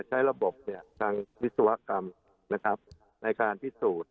ใช้ระบบทางวิศวกรรมในการพิสูจน์